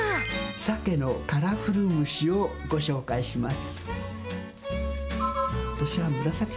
さけのカラフル蒸しをご紹介します。